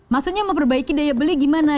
maksudnya memperbaiki daya beli gimana